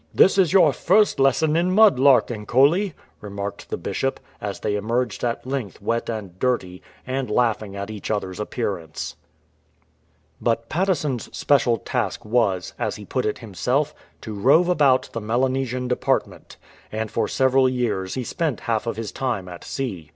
" This is your first lesson in mud larking, Coley,'"* remarked the Bishop, as they emerged at length wet and dirty, and laughing at each other's appearance. But Patteson's special task was, as he put it himself, "to rove about the Melanesian department," and for several years he spent half of his time at sea.